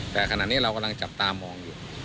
แต่ขณะนี้เรากำลังจับตามองอยู่